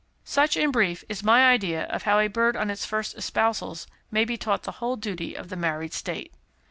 "Such, in brief, is my idea of how a bird on its first espousals may be taught the Whole Duty of the married state."